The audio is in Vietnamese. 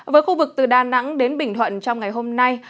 với khu vực từ đà nẵng đến bình thuận trong ngày hôm nay